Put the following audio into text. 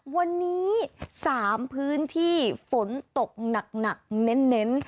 วันนี้๓พื้นที่ฝนตกหนักเน้น